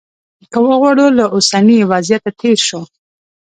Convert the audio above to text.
که وغواړو له اوسني وضعیته تېر شو.